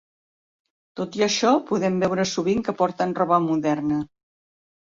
Tot i això, podem veure sovint que porten roba moderna.